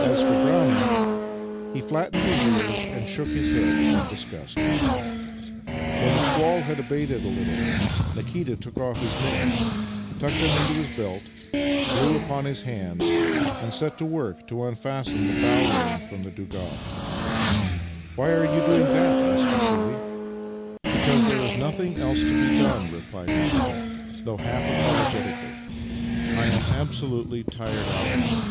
As for Brownie, he flattened his ears and shook his head in disgust. When the squall had abated a little, Nikita took off his mittens, tucked them into his belt, blew upon his hands, and set to work to unfasten the bow rein from the donga. " Why are you doing that? " a.sked Vassili. " Because there is nothing else to be done," replied 38 Master and Man Nikita, thougli half apologetically. " I am absolutely tired out now."